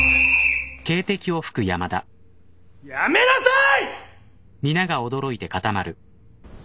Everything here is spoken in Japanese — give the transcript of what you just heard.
やめなさい！